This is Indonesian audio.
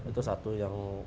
itu satu yang kita lakukan